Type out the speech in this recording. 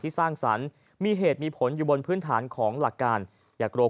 สร้างสรรค์มีเหตุมีผลอยู่บนพื้นฐานของหลักการอยากรวม